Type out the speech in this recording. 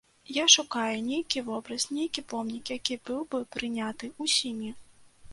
Я шукаю нейкі вобраз, нейкі помнік, які быў бы прыняты ўсімі.